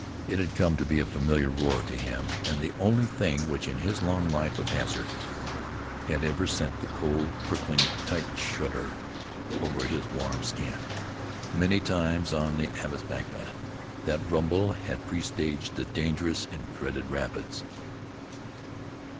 It had come to be a familiar roar to him, and the only thing which, in his long life of hazard, had ever sent the cold, prickling, tight shudder over his warm skin. Many times on the Athabasca that rumble had presaged the dangerous and dreaded rapids.